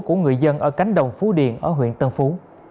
của người dân ở cánh đồng phú điền ở huyện tân phú